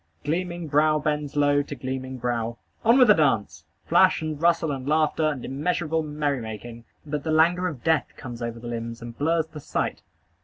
Gleaming brow bends low to gleaming brow. On with the dance! Flash, and rustle, and laughter, and immeasurable merry making! But the languor of death comes over the limbs, and blurs the sight.